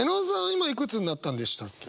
今いくつになったんでしたっけ？